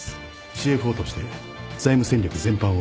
ＣＦＯとして財務戦略全般を担当します。